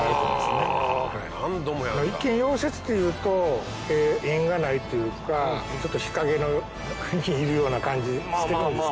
一見溶接っていうと縁がないっていうかちょっと日陰にいるような感じしてたんですけれども。